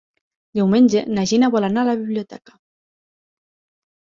Diumenge na Gina vol anar a la biblioteca.